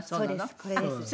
これです。